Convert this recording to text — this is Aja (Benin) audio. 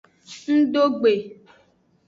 Ngdo gbe.